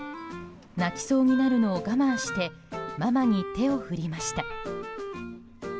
泣きそうになるのを我慢してママに手を振りました。